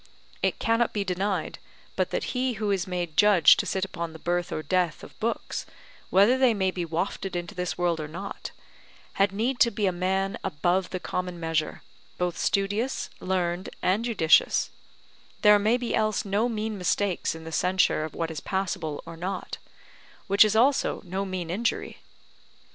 It cannot be denied but that he who is made judge to sit upon the birth or death of books, whether they may be wafted into this world or not, had need to be a man above the common measure, both studious, learned, and judicious; there may be else no mean mistakes in the censure of what is passable or not; which is also no mean injury.